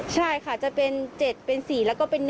ใช่ค่ะจะเป็น๗เป็น๔แล้วก็เป็น๑